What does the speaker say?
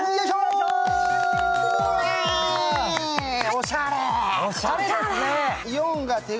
おしゃれ！